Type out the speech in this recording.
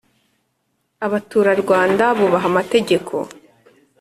Abaturarwanda bubaha amategeko.